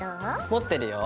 持ってるよ。